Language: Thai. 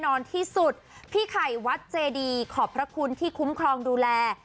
นอนที่สุดพี่ไข่วัดเจดีขอบพระคุณที่คุ้มครองดูแล